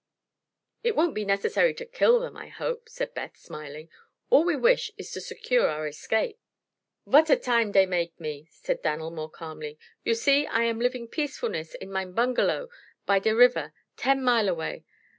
"It won't be necessary to kill them, I hope," said Beth, smiling. "All we wish is to secure our escape." "Vot a time dey make me!" said Dan'l, more calmly. "You see, I am living peacefulness in mine bungalow by der river ten mile away.